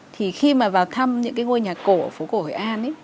thì khi mà vào thăm những ngôi nhà cổ ở phố cổ hội an